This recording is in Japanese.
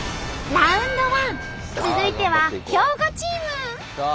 続いては兵庫チーム！